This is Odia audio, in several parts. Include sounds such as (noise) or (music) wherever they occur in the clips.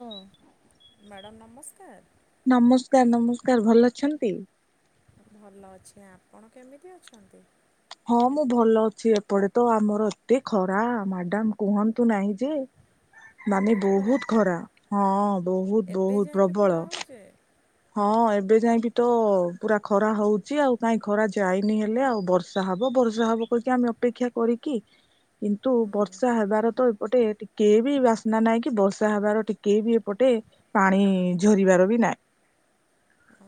ହୁଁ। ମାଡ଼ାମ୍ ନମସ୍କାର। ନମସ୍କାର ନମସ୍କାର ଭଲ ଅଛନ୍ତି? ଭଲ ଅଛି ଆପଣ କେମିତି ଅଛନ୍ତି? ହଁ ମୁଁ ଭଲ ଅଛି ଏପଟେ ତ ଆମର ଏତେ ଖରା ମାଡାମ୍ କୁହନ ନାହି ଯେ ମାନେ ବହୁତ ଖରା ହଁ ବହୁତ ବହୁତ ପ୍ରବଳ। ହଁ ଏବେ ଯାଇ ବି ତ ପୁରା ଖରା ହଉଛି ଆଉ କାହିଁ ଖରା ଯାଇନି ହେଲେ ଆଉ ବର୍ଷା ହବ ବର୍ଷା ହବ କହିକି ଆମେ ଅପେକ୍ଷା କରିକି କିନ୍ତୁ ବର୍ଷା ହେବାର ତ ପଟେ ଟିକେ ବି ବାସ୍ନା ନାହିଁ କି ବର୍ଷା ହବାର ଟିକେ ବି ଏପଟେ ପାଣି ଝରିବାର ବି। ନାଇ,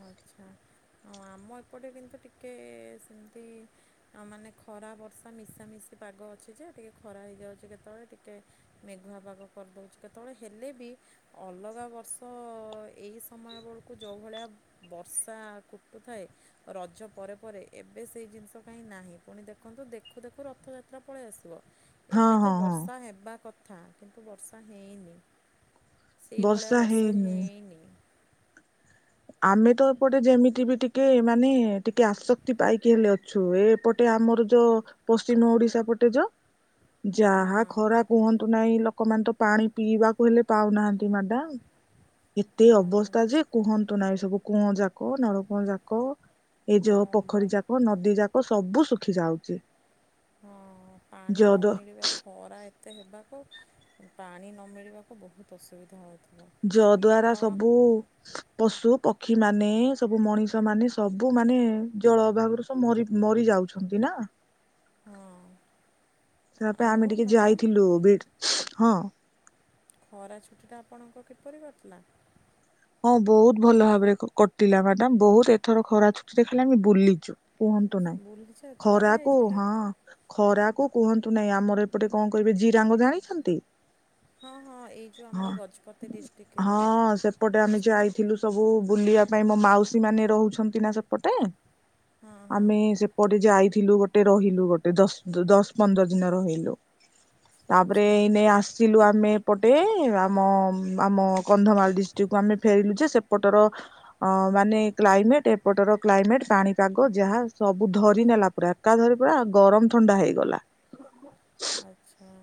ଆଛା, ହଁ ଆମ ଏପଟେ କିନ୍ତୁ ଟିକେ ସେମିତି ମାନେ ଖରା ବର୍ଷା ମିଶାମିଶି। ସେ ପାଗ ଅଛି ଯେ ଟିକେ ଖରା ହେଇଯାଉଛି କେତେବେଳେ ଟିକେ ମେଘୁଆ ପାଗ କରିଦେଉଛି କେତେବେଳେ ହେଲେ ବି। ଅଲଗା ବର୍ଷ ଏହି ସମୟ ବଳକୁ ଯଉଭଳିଆ ବର୍ଷା କୁଟୁଥାଏ ରଜ ପରେ ପରେ ଏବେ ସେଇ ଜିନିଷ କାହିଁ ନାହିଁ ପୁଣି ଦେଖ ତ ଦେଖୁ ଦେଖୁ ରଥଯାତ୍ରା ପଳେଇ ଆସିବ। ହଁ ଏବେ ତ ହଁ ହଁ ବର୍ଷା ହେବା କଥା କିନ୍ତୁ ବର୍ଷା ହେଇନି। ସେଇ ଭଳିଆ ବର୍ଷା ହେଇନି। ଆମେ ତ ଏପଟେ ଯେମିତି ବି ଟିକେ ମାନେ ଟିକେ ଆସକ୍ତି ପାଇକି ହେଲେ ଅଛୁ ଏପଟେ ଆମ। ମୋର ଯୋ ପଶ୍ଚିମ ଓଡିଶା ପଟେ ଯୋ ଯାହା ଖରା କୁହନ୍ତୁ ନାହିଁ ଲୋକମାନେ ତ ପାଣି ପିଇବାକୁ ହେଲେ ପାଉନାହାନ୍ତି ମ୍ୟାଡାମ। ଏତେ ଅବସ୍ତା ଯେ କୁହନ୍ତୁ ନାହିଁ ସବୁ କୂଅଁ ଯାକ ନଳକୂଅ ଯାକ। ଏ ଯୋ ପୋଖରୀ ଯାକ ନଦୀ ଯାକ ସବୁ ଶୁଖି ଯାଉଛି। ହଁ ପାଣି ନ ଯଦ ମିଳିବା ଖରା ଏତେ ହେବାକୁ ପାଣି ନ ମିିଳିବାକୁ ବହୁତ ଅସୁବିଧା ହୋଇ ଯ ଦ୍ଵାରା ସବୁ ପଶୁ ପ ପକ୍ଷୀ ମାନେ ସବୁ ମଣିଷ ମାନେ ସବୁ ମାନେ ଜଳ ଅଭାବରୁ ସବୁ ମରି ମରି ଯାଉଛନ୍ତି ନା। ଅ ହ ହଁ ସେୟା ପାଇଁ ଆମେ ଟିକେ ଯାଇଥିଲୁ ବିଡ଼ ହଁ। ଖରା ଛୁଟିଟା ଆପଣଙ୍କ କିପରିି କଟିଲା? ହଁ ବହୁତ ଭଲ ଭାବରେ କଟିଲା ମାଡାମ ବହୁତ ଏଥର ଖରା ଛୁଟିରେ ଖାଲି ଆମେ ବୁଲିଚୁ। କୁହନ୍ତୁ ନାଇଁ ଖରାକୁ ହଁ ଖରା କୁ କୁହନ୍ତୁ ନାଇଁ ଆମର ଏପଟେ କଣ କହିବେ ଜିରାଙ୍ଗ ଜାଣିଛନ୍ତି? ହଁ ହଁ ଏଇ ଯଉ ହଁ ଆମର ଗଜପତି ଡିଷ୍ଟିକ୍ ରେ। ହଁ ସେପଟେ ଆମେ ଯାଇଥିଲୁ ସବୁ ବୁଲିବା ପାଇଁ ମୋ ମାଉସୀ ମାନେ ରହୁଛନ୍ତି ନା ସେପଟେ। ଆମେ ସେପଟେ ଯାଇ ଥିଲୁ ଗୋଟେ ରହିଲୁ ଗୋଟେ ଦଶ ଦଶ ପନ୍ଦର ଦିନ ରହିଲୁ। ତାପରେ ଏଇନେ ଆସିଲୁ ଆମେ। ପଟେ ଆମ ଆମ କନ୍ଧମାଳ ଡିଷ୍ଟ। କୁ ଆମେ ଫେରିଲୁ ଯେ ସେପଟର ଅ ମାନେ କ୍ଲାଇମେଟ ଏପଟର କ୍ଲାଇମେଟ ପାଣିପାଗ ଯାହା ସବୁ ଧରି ନେଲା ପୁରା ଏକାଧରି ପୁରା ଗରମ ଥଣ୍ଡା ହେଇଗଲା। ଆଚ୍ଛା,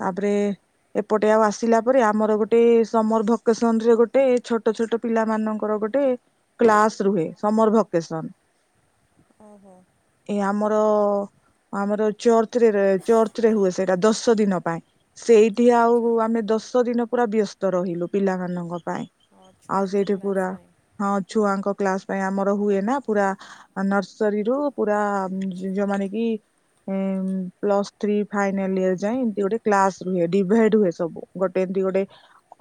ତାପରେ ଏ ଏପଟେ ଆଉ ଆସିଲା ପରେ ଆମର ଗୋଟେ ସମର ଭକେସନ ରେ ଗୋଟେ ଛୋଟ ଛୋଟ ପିଲା ମାନଙ୍କର ଗୋଟେ କ୍ଲାସ ରୁହେ ସମର ଭକେଶନ। ଓହୋ, ତ ଆମର ଚର୍ଚରେ ଚର୍ଚରେ ହୁଏ ସେଇଟା ଦଶ ଦିନ ପାଇଁ। ସେଇଠି ଆଉ ଆମେ ଦଶ ଦିନ ପୁରା ବ୍ୟସ୍ତ ରହିଲୁ ପିଲାମାନଙ୍କ ପାଇଁ ଆଉ ସେଇଠି ପୁରା ହଁ ଛୁଆଙ୍କ କ୍ଲାସ। ପାଇଁ ଆମର ହୁଏ ନା ପୁରା ନର୍ସରୀରୁୁ ପୁରା ଯୋଉମାନେ କି ଇଁ ପ୍ଲସ ଥ୍ରୀ ଫାଇନାଲ ଇଅର ଯାଏ ଏମତି ଗୋଟେ କ୍ଲାସ ରୁହେ ଡିଭାଇଡ ହୁଏ ସବୁ ଗୋଟେ ଏମିତି ଗୋଟେ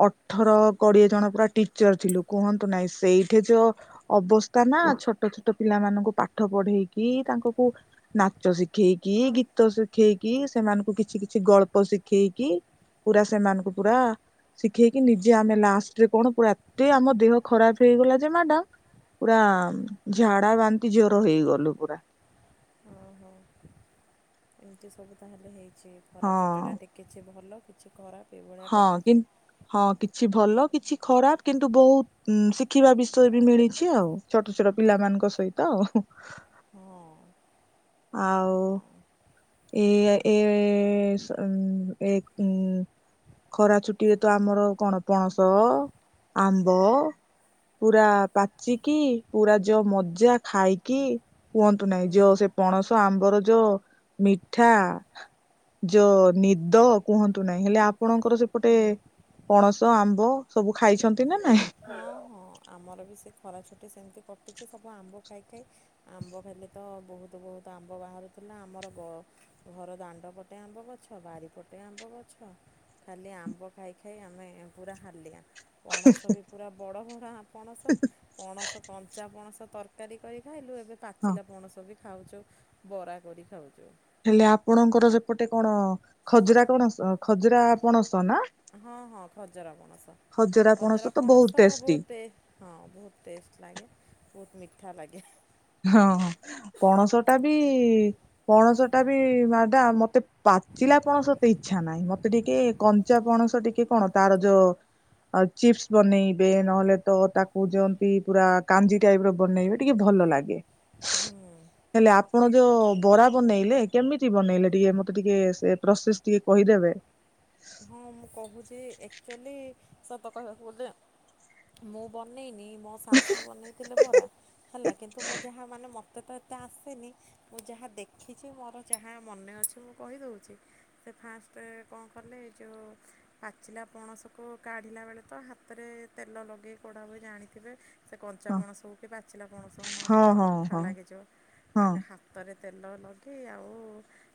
ଅଠର କୋଡିଏ ଜଣ ପୁରା ଟିଚର ଲୁ କୁହନ୍ତୁ ନାଇଁ ସେଇଠି ଯୋ ଅବସ୍ତା ନା ଛୋଟ ଛୋଟ ପିଲାମାନଙ୍କୁ ପାଠ ପଢେଇକି। ତାଙ୍କୁ ନାଚ ଶିଖେଇକି ଗୀତ ଶିଖେଇକି ସେମାନଙ୍କୁ କିଛି କିଛି ଗଳ୍ପ ପ ଶିଖେଇକି ପୁରା ସେମାନଙ୍କୁ ପୁରା ଶିଖେଇକି ନିଜେ ଆମେ ଲାଷ୍ଟରେ କଣ ପୁରା ଏତେ ଆମ ଦେହ ଖରାପ ହେଇଗଲା ଯେ ମ୍ୟାଡାମ ପୁରା ଝାଡ଼ା ବାନ୍ତି ଜୋର ହେଇଗଲୁ ପୁରା। (inaudible) ଏମିତି ସବୁ ତାହେଲେ ହେଇଛି ଖରା ଛୁଟିଟା ଟିକେ କିଛି ଭଲ କିଛି ଖରାପ ହଁ କିନ୍ ହଁ କି କିଛି ଭଲ କିଛି ଖରାପ କିନ୍ତୁ ବହୁତ ଶିଖିବା ବିଷୟ ବି ମିଳିଛି ଆଉ ଛୋଟ ଛୋଟ ପିଲାମାନଙ୍କୁ ଙ୍କ ସହିତ ଆଉ ହୁଁ ଆଉ ଏଇ ଏ ଏ ସ ଉଁ ଏ ଉଁ ଖରା ଛୁଟିରେ ତ ଆମର କଣ ପଣସ ଆମ୍ବ ପୁରା ପାଚିକି ପୁରା ଯୋ ମଜା ଖାଇକି କୁହନ୍ତୁ ନାହିଁ ଯୋଉ ସେ ପଣସ ଆମ୍ବର ଯୋ ମିଠା ଯୋଉ ନିଦ କୁହନ୍ତୁ ନାହିଁ ହେଲେ ଆପଣଙ୍କର ସେପଟେ ପଣସ ଆମ୍ବ ସବୁ ଖାଇଛନ୍ତି ନା ନାଇଁ ହଁ ହଁ ଆମର ବି ସେ ଖରା ଛୁଟି ସେମିତି କଟିଛି ସବୁ ଆମ୍ବ ଖାଇ ଖାଇ ଆମ୍ବ ଖଲେ ତ ବହୁତ ବହୁତ ଆମ୍ବ ବାହାରୁ ହେଲା ଆମର ଗ ଘର ଦାଣ୍ଡ ପଟେ ଆମ୍ବ ଗଛ ବାରି ପଟେ ଆମ୍ବ ଗଛ। ଖାଲି ଆମ୍ବ ଖାଇ ଖାଇ ଆମେ ପୁରା ହାଲିଆ ପଣସ ବି ପୁରା ବଡ଼ ବଡ଼ ପଣସ ପଣସ କଞ୍ଚା ପଣସ ତରକାରୀ କରି ଖାଇଲୁ ଏବେ ହଁ। ପାଚିଲା ପଣସ ବି ଖାଉଚୁ ବରା କରି ଖାଉଚୁ ହେଲେ ଆପଣଙ୍କର ସେପଟେ କଣ ଖଜୁରା କଣ ଖଜୁରା କପଣ ହଁ ହଁ ଖଜର ପଣସ। ଖଜୁରା ପଣସ ତ ବହୁତ ହଜରାପଣସ ଟେଷ୍ଟି ବହୁତେ ହଁ ବହୁତ ଟେଷ୍ଟ ଲାଗେ ବହୁତ ମିଠା ଲାଗେ। ହଁ ପଣସ ଟା ବି ପଣସ ଟା ବି ମାଡାମ୍ ମତେ ପାଚିଲା ପଣ ସତେ ଇଚ୍ଛା ନାହିଁ। ମତେ ଟିକେ କଞ୍ଚା ପଣସ ଟିକେ କଣ ତାର ଯୋଉ ଆଉ ଚିପ୍ସ ବନେଇବେ ନହେଲେ ତ ତାକୁ ଯେମତି ପୁରା କାଞ୍ଜି ଟାଇପ ର ବନେଇବେ ଟିକେ ଭଲ ଲାଗେ ଇଏ (inaudible) ହେଲେ ଆପଣ ଯୋଉ ବରା ବନେଇଲେ କେମିତି ବନେଇଲେ ଟିକେ ମତେ ଟିକେ ପ୍ରୋସେସ ଟିକେ କହିଦେବେ। ହଁ ମୁଁ କହୁଚି ଆକ୍ଚୁଆଲି ସତ କହିବାକୁ ଗଲେ ମୁଁ ବନେଇନି ମୋ ଶାଶୁ ବନେଇଥିଲେ ବରା ହେଲା କିନ୍ତୁ ମୁଁ ଯାହା ମାନେ ମତେ ମତେ ତ ଏତେ ଆସେନି ମୁଁ ଯାହା ଦେଖିଛି ମୋର ଯାହା ମନେ ଅଛି ମୁଁ କହିଦୋଉଚି ଫାଷ୍ଟ କଣ କଲେ ଏ ଯେଉଁ ପାଚିଲା ପଣସକୁ କାଢ଼ିଲା ବେଳେ ତ ହାତରେ ତେଲ ଲଗେଇ କୋଢ଼ା ହୁଏ ଜାଣି ଥିବେ ସେ କଞ୍ଚାାପଣସ କି ପାଚି ଲା ପଣସ ନହେଲେ ହଁ ତାର ହଁ ଅଠା ହଁ ଲାଗିଯିବ ହଁ ତା ହାତରେ ତେଲ ଲଗେଇ ଆଉ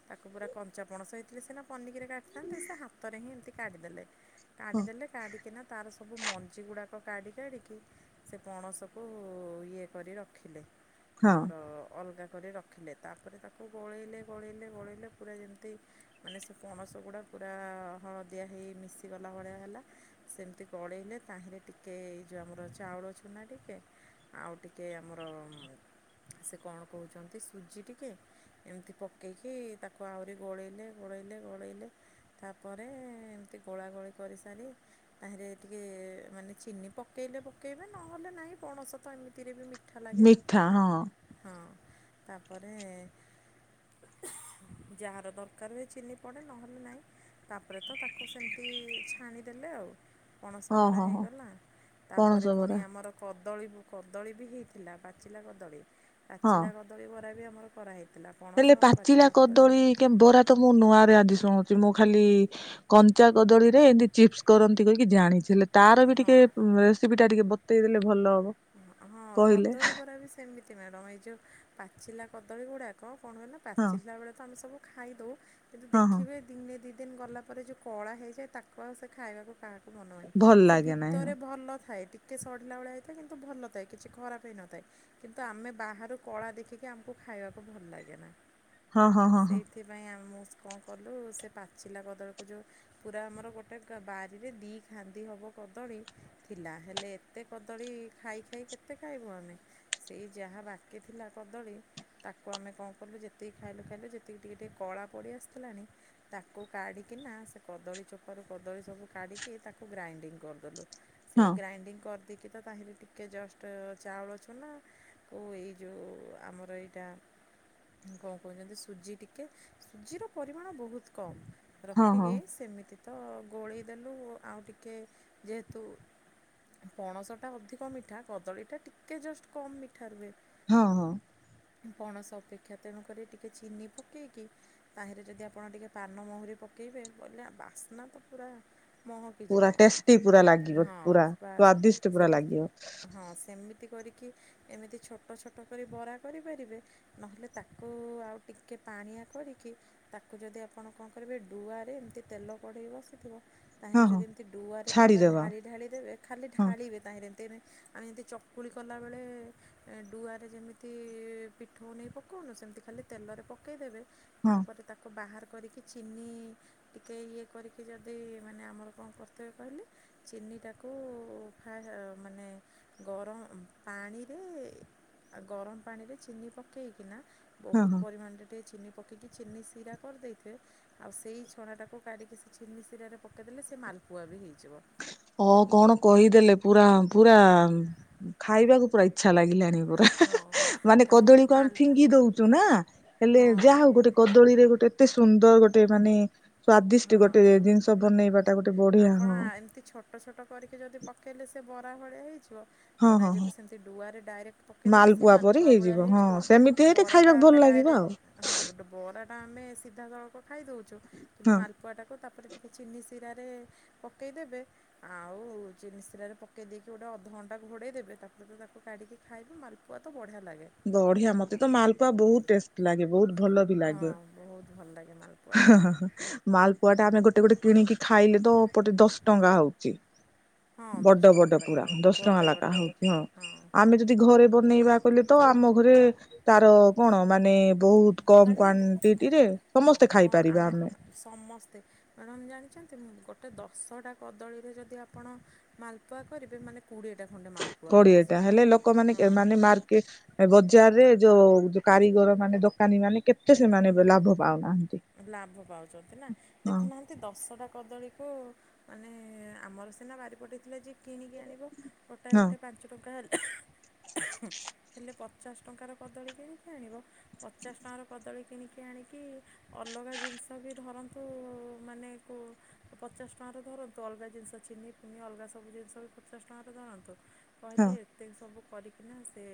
ତାକୁ ପୁରା କଞ୍ଚା ପଣସ ହେଇଥିଲି ସିନା ପନିକିରେ କାଟିିଥାନ୍ତି ସେ ହାତ ଏମିତି କାଢିଦେଲେ ହଁ କାଢିଦେଲେ କାଢିକିନା ତାର ସବୁ ମଞ୍ଜି ଗୁଡ଼ାକ କାଢ଼ି କାଢ଼ିକି ସେ ପଣସକୁ ଇଏ କରି ରଖିଲେ। ହଁ। ଆମର ଅଲଗା କରି ରଖିଲେ ତାପରେ ତାକୁ ଗୋଳେଇଲେ ଗୋଳେଇଲେ ଗୋଳେଇଲେ ପୁରା ଯେମିତି ମାନେ ସେ ପଣସଗୁଡ଼ା ପୁରା ହଳଦିଆ ହେଇ ମିଶିଗଲା ଭଳିଆ ହେଲା। ସେମିତି ଗଳେଇଲେ ତାହିଁରେ ଟିକେ ଏ ଯେଉଁ ଆମର ଚାଉଳ ଳ ଚୁନା ଟିକେ ଆଉ ଟିକ ଆମର ସେ କଣ କୋହୁଚନ୍ତି ସୁଜି ଟିକେ ଏମିତି ପକେଇକି ତାକୁ ଆହୁରି ଗୋଳେଇଲେ ଗୋଳେଇଲେ ଗୋଳେଇଲେ ତାପରେ ଏମିତି ଗୋଳା ଗୋଳି କରିସାରି ତାହେରେ ଟିକେ ମାନେ ଚିନି ପକେଇଲେ ପକେଇବେ ନହେଲେ ନାଇଁ ପଣସ ତ ଏମିତିରେ ବି ମି ମିଠା ହଁ। ତାପରେ ଯାହାର ଦରକାର ହୁଏ ଚିନି ପଡ଼େ ନହେଲେ ନାହିଁ। ତାପରେ ତ ତାକୁ ସେମିତି ଛାଣିଦେଲେ ଆଉ। ପଣସ ହଁ ମରା ହଁ ହଁ ହେଇଗଲା ତାପରେ ପଣସ ପୁଣି ବରା ଆମର କଦଳୀ କଦଳୀ ବି ହେଇଥିଲା ପାଚିଲା କଦଳୀ ହଁ ପାଚିଲା କଦଳୀ ବରା ବି ଆମର କରାହଇଥିଲା। ହେଲେ ପାଚିଲା କଦଳୀ କେମ ବରା ତ ମୁଁ ନୂଆରେ ଆଜି ଶୁଣୁଛି ମୁଁ। ଖାଲି କଞ୍ଚା କଦଳୀ ରେ ଏମତି ଚିପ୍ସ କରନ୍ତି କହିକି ଜାଣିଥିଲେ ହେଲେ। ତାର ବି ଟିକେ ରେସିପି ଟା ଟିକେ ବତେଇ ଦେଲେ ଭଲ ହବ ହଁ କହିଲେ କଦଳୀ ବରା ରେ ସେମିତି ନୁହେଂ, ତମେ ଯୋଉ ପାଚିଲା କଦଳୀ ଗୁଡାକ। କଣ ହେଲା ହଁ ପାଚିଲା ବେଳେ ତ ଆମେ ସବୁ ଖାଇଦଉ, କିନ୍ତୁ ହଁ ହଁ ଦେଖିବେ ଦିନେ ଦିଟା ଦିନ ଗଲା ପରେ ଯଉ କଳା ହେଇଯାଏ ତାକୁ ଆଉ ସେ ଖାଇବାକୁ। କାହାକୁ ମନ ହୁଏନି ଭଲ ସେ ଲାଗେ ଭିତରେ ଭଲ ଥାଏ ଟିକେ ସଢିଲା ଭେଳିଆ ହ ଭଲ ଥାଏ କିଛି ଖରାପ ହେଇନଥାଏ କିନ୍ତୁ ଆମେ ବାହାରୁ କଳା ଦେଖିକି ଆମକୁ ଖାଇବାକୁ ଭଲ ଲାଗେ ନା। ହଁ ହଁ ହଁ ସେଇଥିପାଇଁ ଆମୁ କଣ କଲୁ ସେ ପାଚିଲା କଦଳୀକୁ ଜଉଁ ପୁରା ଆମର ଗୋଟେ ବାରିରେ ଦ ଖାନ୍ଦି ହବ କଦଳୀ ଥିଲା, ହେଲେ ଏତେ କଦଳୀ। କଦଳୀ ଖାଇ ଖାଇ କେତେ ଖାଇବୁ ଆମେ, ସେଇ ଯଉ ବାକିଥିଲା କଦଳୀ ତାକୁ ଆମେ। ଆମେ କଣ କଲୁ ଯେତିକି ଖାଇଲୁ ଖାଇଲୁ ଯେତିକି ଟିକେ ଟିକେ କଳା ପଡ଼ି ଆସୁଥିଲାଣି ତାକୁ କାଢି କିନା। କଦଳୀ ଚୋପାରୁ କଦଳୀ ସବୁ କାଢ଼ିକି ତାକୁ ଗ୍ରାଇଣ୍ଡିଙ୍ଗ କରିଦେଲୁ, ସେଇ ହଁ ଗ୍ରାଇଣ୍ଡିଙ୍ଗ କରି। ଦେକି ତ ତାହେଲେ ଟିକେ ଜଷ୍ଟ ଚାଉଳ ଚୁନା ଓଉ ଏଇ ଯେଉଁ ଆମର ଏଇଟା। କଣ କହୁଛନ୍ତି ସୁଜି ଟିକେ, ସୁଜିର ପରିମାଣ ବହୁତ କମ। ହଁ ହଁ ହଁ ରଖିକି ହଁ ସେମିତି। ତ ଗୋଳେଇ ଦେଲୁ ଆଉ ଟିକେ ଯେହେତୁ। ପଣସଟା ଅଧିକ ମିଠା, କଦଳୀଟା ଟିକଏ ଜଷ୍ଟ କମ୍ ମିଠା ରୁହେ। ହଁ ହଁ। ପଣସ ଅପେକ୍ଷା ତେଣୁକରି ଟିକିେ ଚିନି ପକେଇକି ତାହେରେ ଯଦି ଆପଣ ଟିକେ ପାନମହୁରି ପ। ପକାଇବେ ବୋଲା ବାସ୍ନା ତ ପୁରା ପୁରା ଟେଷ୍ଟି ପୁରା ଲାଗିବ ପୁରା ସ୍ଵାଦିଷ୍ଟ ପୁରା ଲାଗିବ। ଏମିତି କରିକି, ଏମିତି ଛୋଟ ଛୋଟ କରି ବରା କରିପାରିବେ ନହେଲେ ତାକୁ ଆଉ ଟିକେ। ପାଣିଆ କରିକି ତାକୁ ଯଦି ଆପଣ କଣ କରିବେ ଡୁଆରେ ଏମିତି ତେଲ କ଼େଇ ବସିଥିବ। ତାହେଲେ ହଁ ହଁ ଯଦି ଏମିତି ଡୁଆ ରେ ପୁରା ଛାଡିଦବା ଢାଳି ଢାଳି ଦେବେ ଖାଲି ହଁ ଢାଳିବେ ତାହେରେ। ଆମେ ଯେମିତି ଚକୁଳି କଲାବେଳେ ଡୁଆରେ ଯେମିତି ପୀଠଉ ନେଇ ପକାଉନୁ ପକଉନୁ ସେମିତି ଖାଲି ତେଲ ରେ ପକେଇ ଦେବେ, ହଁ ତାପରେ ତାକୁ ବାହାର କରିକି ଚିନି ଟିକେ ଇଏ କରିକି ଯଦି ମାନେ ଆମର କଣ କରୁଥିବେ କହିଲେ ଚିନି ଏଇଟାକୁ ଫା ମାନେ ଗରମ ପାଣିରେ ଆଉ ଗରମ ପାଣିରେ ଚିନି ପକେଇକିନା ହଁ ବହୁତ ହଁ ପରିମାଣରେ ଟିକେ ଚିନି। ପକେଇକି ଚିନି ସିରା କରିଦେଇଥିବ ଆଉ ସେଇ ଛଣାଟାକୁ କାଢ଼ିକି ସେ ଚିନି ସିରାରେ ପକେଇଦେଲେ ସେ ମା। ଖୁଆ ବି ହେଇଯିବ। ହ କଣ କହିଦେଲେ ପୁରା ପୁରା ଖାଇବାକୁ ପୁରା ଇଛା। ଲାଗିଲାଣି ପୁରା ହା ହା ହା। ମାନେ କଦଳୀକୁ ଆମେ ଫିଙ୍ଗି ଦଉଛୁ ନା ହେଲେ ଯାହା ହଉ ଗୋଟେ କଦଳୀରେ ଗୋଟେ। ଏତେ ସୁନ୍ଦର ଗୋଟେ ମାନେ ସ୍ଵାଦିଷ୍ଟ ଗୋଟେ ଜିନିଷ ବନେଇବାଟା ଗୋଟେ। ବଢିଆ ଆପଣ ହଁ ଏମିତି ଛୋଟ ଛୋଟ କରିକି ଯଦି ପକେଇଲେ ସେ ବରା ଭଳିଆ ହେଇଯିବ। ହଁ ଆଉ ନା ହଁ ହଁ। ଯଦି ସେମିତି ଡଆରେ ଡାଇରେ ଡାରେକ୍ଟ ପକେଇଦେଲେ ସେ ପରି ମାଲପୁଆ ଭଳିଆ ହଁ ହେଇଯିବ, ସେମିତି ହେଇଲେ ବରା ଟା ଖାଇବାକୁ ଭଲ ଆମେ ଡ। ଲାଗିବ ଆରେ ଆଉ ହଁ ଗୋଟେ ବରା ଟା ଆମେ ସିଧାସଳଖ। ଖାଇ ଦେଉଛୁ କିନ୍ତୁ ହଁ ମାଲପୁଆଟାକୁ ତାପରେ ଟିକିେ ଚିନି ଶିରାରେ। ପକେଇଦେବେ ଆଉ ଚିନିସିରାରେ ପକେଇଦେଈକି ଗୋଟେ ଅଧଘଣ୍ଟା ଘୋଡେଇ ଦେବେ ତାକୁ ତା। କାଢିକି ଖାଇବି ମାଲପୁଆ ତ ବଢିଆ। ବଢିଆ ମତେ ତ ମାଲପୁଆ ବହୁତ ଟେଷ୍ଟି ଲାଗେ ବହୁତ। ଭଲ ବି ଲାଗେ ହଁ ହଁ ହଁ ମାଲପୁଆ ଟା ଆମେ ଗୋଟେ ଗୋଟେ କିଣିକି ଖାଇଲୁ। ତୋ ପଟେ ଦଶ ଟଙ୍କା ହଉଛି। ବଡ ବଡ ପୁରା ଦଶ ଟଙ୍କା ଲଖା ହଉଛି ଆଉ, ଆମେ ଯଦି ଘରେ ବନେଇବା। କହିଲେ ତ ଆମ ଘରେ ତାର କଣ ମାନେ। ବହୁତ କମ ମାନେ କ୍ଵାଣ୍ଟିଟିରେ ସମସ୍ତେ ହଁ ଖାଇପାରିବା ଆମେ ସମସ୍ତେ ମାଡାମ୍ ଜାଣିଛନ୍ତି? ଗୋଟେ ଦଶଟା କଦଳୀରେ ଯଦି ଆପଣ ମାଲପୁଆ କରିବେ ମାନେ କୋଡିଏ ଟା ହେଲେ ଲୋକମାନେ ମାନେ ମାର୍କେଟ ବଜାରରେ ଯୋଉ କାରିଗର ମାନେ ଦୋକାନୀ ମାନେ କେତେ ସେମାନେ ଲାଭ ପାଉନାହାନ୍ତି। ଲାଭ ପାଉଛନ୍ତି ନା ହଁ ଦେଖୁନାହାନ୍ତି ଦଶଟା କଦଳୀକୁ ମାନେ ଆମର ସିନା ବାରି ପଟେଥିଲା ଯିଏ କିଣିକି ଆଣିବ ଗୋଟାଏ ହଁ ଗୋଟେଏ ପାଞ୍ଚ ଟଙ୍କା ହେଲା। (inaudible) ହେଲେ ପଚାଶ ଟଙ୍କାର କଦଳୀ କିଣିକି ଆଣିବ, ପଚାଶ ଟଙ୍କାର କଦଳୀ କିଣିକି ଆଣିକି ଅଲଗା ଜିନିଷ ବି ଧରନ୍ତୁ ମାନେ ପଚାଶ ଟଙ୍କାରୁ ଧରନ୍ତୁ ଅଲଗା ଜିନିଷ ଅ ଚିନି ପିନି ଅଲଗା ସବୁ ଜିନିଷ ବି ପଚାଶ ଟଙ୍କାରେ ଧରନ୍ତୁ। ହଁ। କହିଲେ ଏତେ ସବୁ କରିକିନା ସେ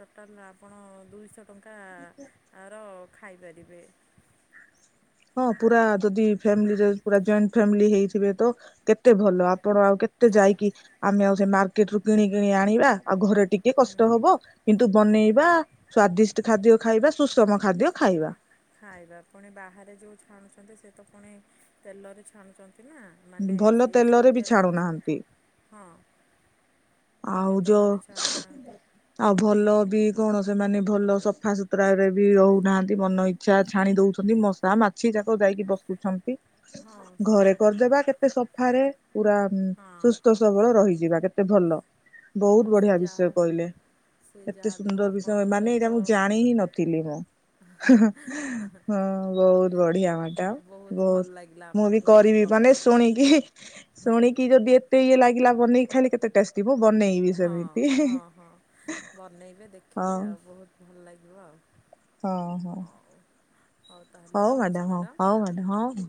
ଟୋଟାଲ ଆପଣ ଦୁଇଶହ ଟଙ୍କା ଆଛା। ହଁ ଖାଇପାରିବେ। ହଁ ପୁରା ଯଦି ଫ୍ୟାମିଲି ପୁରା ଜଏଣ୍ଟ ଫ୍ୟାମିଲି ହେଇଥିବେ ତ କେତେ ଭଲ ଆପଣ ଆଉ କେ କେତେ ଯାଇକି ଆମେ ଆଉ ସେ ମାର୍କେଟ ରୁ କିଣି କିଣି ଆଣିବା ଆଉ ଘରେ ଟିକେ କଷ୍ଟ ହବ କିନ୍ତୁ ବନେଇବା ସ୍ଵାଦିଷ୍ଟ ଖାଦ୍ୟ ଖାଇବା। ସୁଷମ ଖାଦ୍ୟ ଖାଇବା। ଖାଇବା ପୁଣି ବାହାରେ ଯେଉ ଛାଣୁଛନ୍ତି ସେ ତ ପୁଣି ତେଲରେ ଛାଣୁଛନ୍ତି। କି ନା ମାନେ ଭଲ ସେଇ ତେଲରେ ସେଇ ବି ତେଲର ଛାଣୁନାହାନ୍ତି ଛାଣୁଛନ୍ତି ହଁ। ଆଉ ଯୋଉ ଆଉ ଭଲ ବି କଣ ସେମାନେ ଭଲ ସଫାସୁତୁରା ରେ ବି ରହୁନାହାନ୍ତି, ମନ ଇଚ୍ଛା ଛାଣି ଦଉଛନ୍ତି ମଶା ମାଛି। ଯାକ ଯାଇକି ବସୁଛନ୍ତି। ହଁ ଘରେ ସେଇଆ। କରିଦେବା କେତେ ସଫାରେ ପୁରା ସୁସ୍ଥ ସବଳ ରହିଯିବା କେତେ ଭଲ। ବହୁତ ବଢିଆ ବିଷୟ କହିଲେ। ଏତେ ସୁନ୍ଦର ବିଷୟ ମାନେ ଏଇଟା ମୁଁ ଜାଣି ହିଁ ନଥିଲି ମୁଁ। ହଁ ବହୁତ ବଢିଆ ମାଡାମ୍ ବହୁତ ମୁଁ ବି କରିବି। ମାନେ ଶୁଣିକି ଶୁଣିକି ଯଦି ଏତେ ଇଏ ଲାଗିଲା ବନେଇକି ଖାଇଲି କେତେ ଟେଷ୍ଟି। ମୁଁ ବନେଇବି ହଁ ସେମିତି। ହଁ ହଁ ବନେଇବେ ଦେଖିବେ ହଉ ଆଉ ବହୁତ ଭଲ ଲାଗିବ ଆଉ। ହଁ ହଁ ହଉ ମ୍ୟାଡାମ ହଉ ହଉ ମ୍ୟାଡାାମ ହଁ ହଁ।